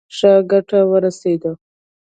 ښه ګټه ورسېده.